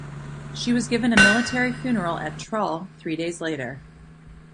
She was given a military funeral at Trull three days later.